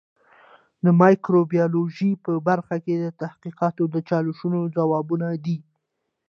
د مایکروبیولوژي په برخه کې تحقیقات د چالشونو ځوابونه دي.